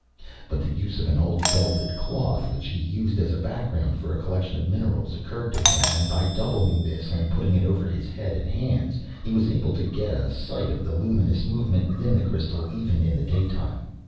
But the use of an old velvet cloth, which he used as a background for a collection of minerals, occurred to him, and by doubling this, and putting it over his head and hands, he was able to get a sight of the luminous movement within the crystal even in the daytime.